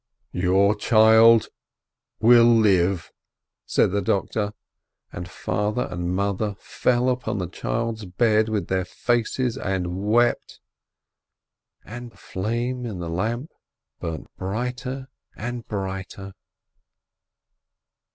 "Your child will live," said the doctor, and father and mother fell upon the child's bed with their faces, and wept. The flame in the lamp burnt brighter and brighter.